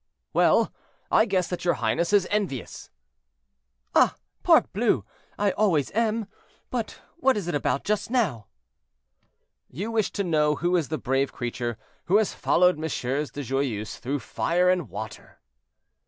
"Well! I guess that your highness is envious." "Ah! parbleu, I always am; but what is it about just now?" "You wish to know who is the brave creature who has followed the MM. de Joyeuse through fire and water?"